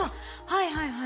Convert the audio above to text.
はいはいはいはい。